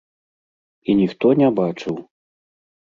І ніхто не бачыў.